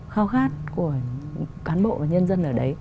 khao khát của cán bộ và nhân dân ở đấy